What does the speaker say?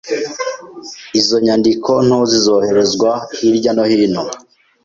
izo nyandiko nto zizoherezwa hirya no hino.